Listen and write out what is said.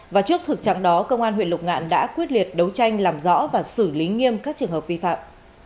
và trước thực trạng đó công an huyện lục ngạn đã quyết liệt đấu tranh làm rõ và xử lý nghiêm các trường hợp vi phạm